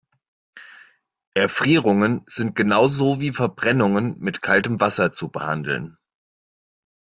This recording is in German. Erfrierungen sind genau so wie Verbrennungen mit kaltem Wasser zu behandeln.